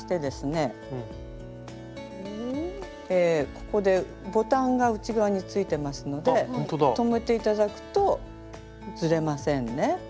ここでボタンが内側についてますので留めて頂くとずれませんね。